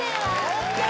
ＯＫ